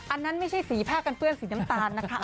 อันนั้นไม่ใช่สีผ้ากันเปื้อนสีน้ำตาลนะคะ